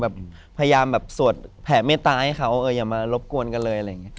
แบบพยายามแบบสวดแผ่เมตตาให้เขาอย่ามารบกวนกันเลยอะไรอย่างนี้